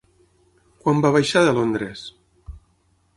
Quan va baixar de Londres?